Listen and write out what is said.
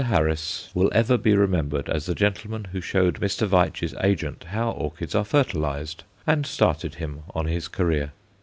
Harris will ever be remembered as the gentleman who showed Mr. Veitch's agent how orchids are fertilized, and started him on his career.